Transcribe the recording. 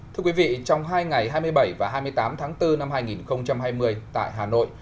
thưa quý vị trong hai ngày hai mươi bảy và hai mươi tám tháng bốn năm hai nghìn hai mươi tại hà nội